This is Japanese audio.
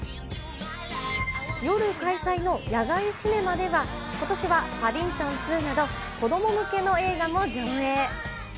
夜開催の野外シネマでは、ことしはパディントン２など、子ども向けの映画も上映。